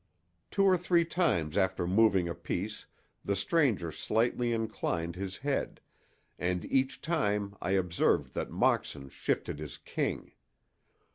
Two or three times after moving a piece the stranger slightly inclined his head, and each time I observed that Moxon shifted his king.